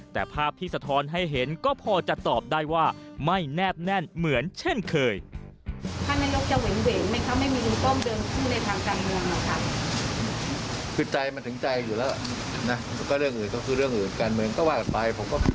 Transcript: แต่ภาพที่สะท้อนให้เห็นก็พอจะตอบได้ว่าไม่แนบแน่นเหมือนเช่นเคย